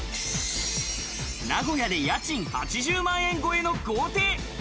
名古屋で家賃８０万円超えの豪邸。